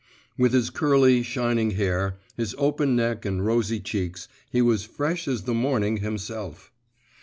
…' With his curly, shining hair, his open neck and rosy cheeks, he was fresh as the morning himself.